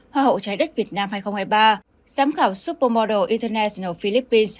hoa hậu trái đất việt nam hai nghìn hai mươi ba giám khảo supermodel international philippines hai nghìn hai mươi ba